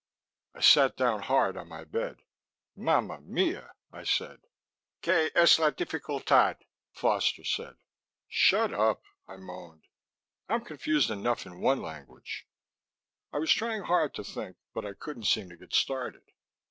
I sat down hard on my bed. "Mama mia," I said. "¿Que es la dificultad?" Foster said. "Shut up," I moaned. "I'm confused enough in one language." I was trying hard to think but I couldn't seem to get started.